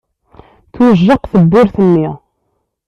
Tujjaq tewwurt-nni.